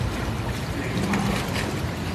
檸蜜